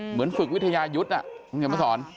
เหมือนฝึกวิทยายุทธ์คุณเขียนมาสอน